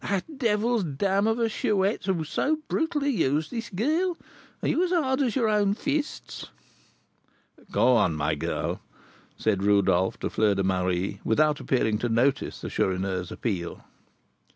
That devil's dam of a Chouette who so brutally used this girl! Are you as hard as your own fists?" "Go on, my girl," said Rodolph to Fleur de Marie, without appearing to notice the Chourineur's appeal.